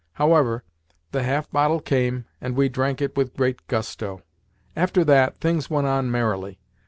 However, the half bottle came, and we drank it with great gusto. After that, things went on merrily.